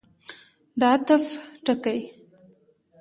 د عطف ټکی.